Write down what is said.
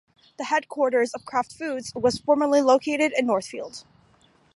The headquarters of Kraft Foods was formerly located in Northfield.